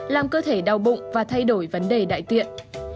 làm cơ thể đau bụng và thay đổi vấn đề đại tiện